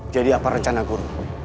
jadi apa rencana guru